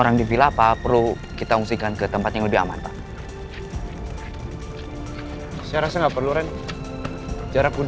randy pasti akan baik baik saja